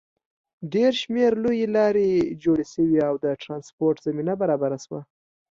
ډېر شمېر لویې لارې جوړې شوې او د ټرانسپورټ زمینه برابره شوه.